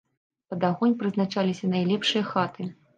Пад агонь прызначаліся найлепшыя хаты.